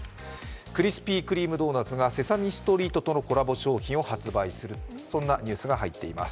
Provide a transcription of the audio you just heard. クリスピー・クリーム・ドーナツが「セサミストリート」とのコラボ商品を発売する、そんなニュースが入っています。